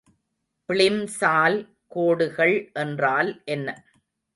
பிளிம்சால் கோடுகள் என்றால் என்ன?